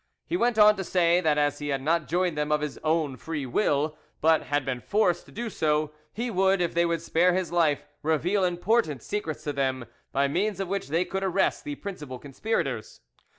He went on to say that as he had not joined them of his own free will, but had been forced to do so, he would, if they would spare his life, reveal important secrets to them, by means of which they could arrest the principal conspirators.